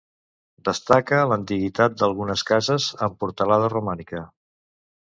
Destaca l'antiguitat d'algunes cases, amb portalada romànica.